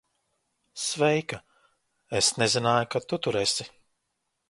Sveika. Es nezināju, ka tu tur esi.